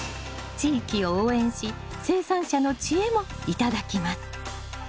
地域を応援し生産者の知恵も頂きます。